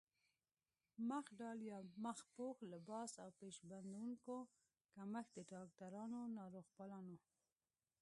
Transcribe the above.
مخ ډال يا مخ پوښ، لباس او پيش بندونو کمښت د ډاکټرانو، ناروغپالانو